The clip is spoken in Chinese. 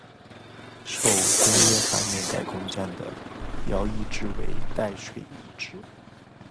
手工业方面改工匠的徭役制为代税役制。